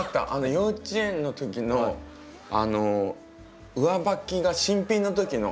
幼稚園のときの上履きが新品のときの。